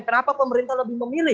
kenapa pemerintah lebih memilih